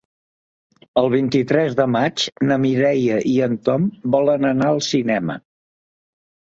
El vint-i-tres de maig na Mireia i en Tom volen anar al cinema.